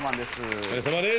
お疲れさまです！